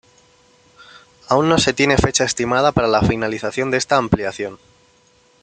Aún no se tiene fecha estimada para la finalización de esta ampliación.